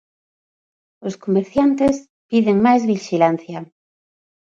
Os comerciantes piden máis vixilancia.